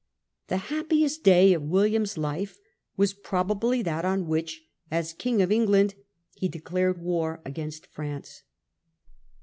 The happiest day of William's life was pro bably that on which, as King of England, he declared war against France.